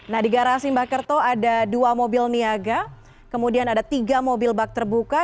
nah di garasi mbak kerto ada dua mobil niaga kemudian ada tiga mobil bak terbuka